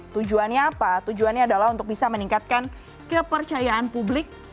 tujuannya apa tujuannya adalah untuk bisa meningkatkan kepercayaan publik